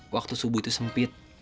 waktu subuh itu sempit